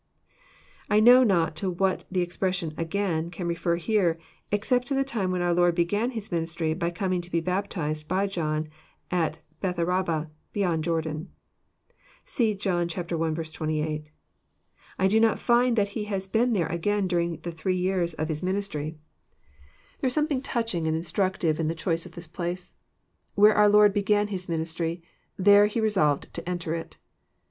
] I know not to what the expression again" can refer here, except to the time when our Lord began His ministry by coming to be baptized by John at Bethabara, beyond Jordan. (See John i. 28.) I do not find that He had been there again during the three years oi Hi^ 226 EXFOsnx^RT thoughts. miDistrj. There is something tODching and instrnctive in the choice of this place. Where oar Lord began His ministry, there He resolved to enter it.